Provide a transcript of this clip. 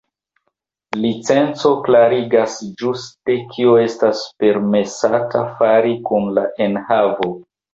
Licenco klarigas ĝuste kio estas permesata fari kun la enhavo.